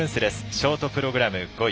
ショートプログラム５位。